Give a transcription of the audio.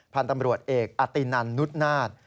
พันธุ์ตำรวจเอกอตินันนุษนาฏ